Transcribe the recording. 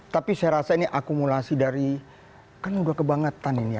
tapi saya rasa ini akumulasi dari kan udah kebangetan ini ya